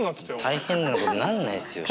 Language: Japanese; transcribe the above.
大変なことになんないっすよ。